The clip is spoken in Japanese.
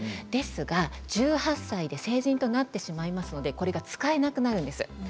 ですが１８歳で成人となってしまいますのでこれが使えなくなるんです。